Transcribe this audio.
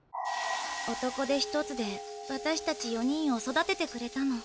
男手一つでわたしたち４人を育ててくれたの。